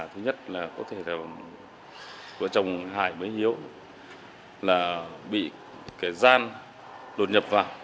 thứ nhất là có thể là vợ chồng hải với hiếu là bị cái gian đột nhập vào